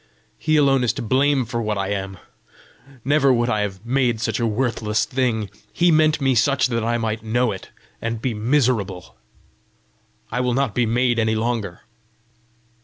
He alone is to blame for what I am! Never would I have made such a worthless thing! He meant me such that I might know it and be miserable! I will not be made any longer!"